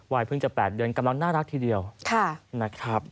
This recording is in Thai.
เพิ่งจะ๘เดือนกำลังน่ารักทีเดียวนะครับ